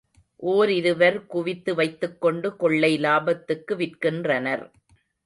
ஓரிருவர் குவித்து வைத்துக்கொண்டு கொள்ளை லாபத்துக்கு விற்கின்றனர்.